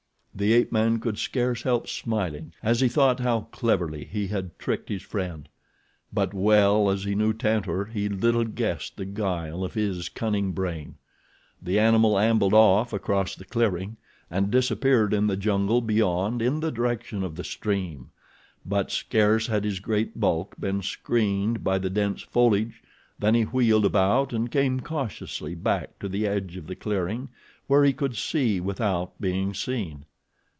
The ape man could scarce help smiling as he thought how cleverly he had tricked his friend; but well as he knew Tantor he little guessed the guile of his cunning brain. The animal ambled off across the clearing and disappeared in the jungle beyond in the direction of the stream; but scarce had his great bulk been screened by the dense foliage than he wheeled about and came cautiously back to the edge of the clearing where he could see without being seen.